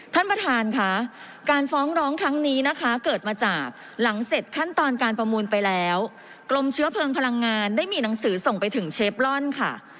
ท่านประธานค่ะการฟ้องร้องครั้งนี้นะคะเกิดมาจากหลังเสร็จขั้นตอนการประมูลไปแล้วกรมเชื้อเพลิงพลังงานได้มีหนังสือส่งไปถึงเชฟลอนค่ะ